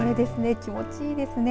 気持ちいいですね。